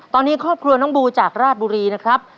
ตอนนี้ครอบครัวน้องบูจากราชบุรีนะครับ